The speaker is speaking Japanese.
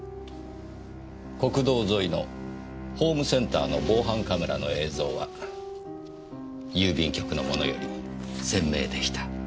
国道沿いのホームセンターの防犯カメラの映像は郵便局のものより鮮明でした。